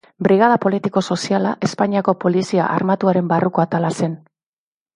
Brigada Politiko-soziala Espainiako Polizia Armatuaren barruko atala zen.